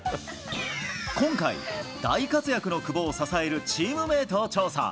今回、大活躍の久保を支えるチームメートを調査。